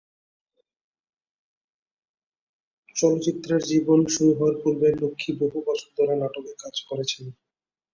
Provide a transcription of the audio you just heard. চলচ্চিত্রের জীবন শুরু হওয়ার পূর্বে লক্ষ্মী বহু বছর ধরে নাটকে কাজ করেছেন।